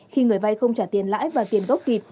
khi người vay không trả tiền lãi và tiền gốc kịp